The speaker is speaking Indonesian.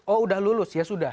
oh udah lulus ya sudah